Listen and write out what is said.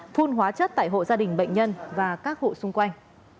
phun hóa chất tại hộ gia đình bệnh nhân và các hộ xung quanh